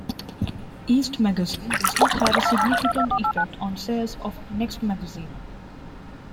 "East Magazine" does not have a significant effect on sales of "Next Magazine'.